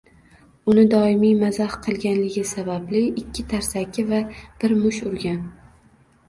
uni doimiy mazax qilganligi sababli ikki tarsaki va bir musht urgan.